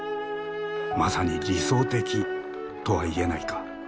「まさに理想的」とは言えないか？